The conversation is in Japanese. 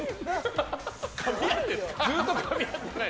ずっとかみ合ってない。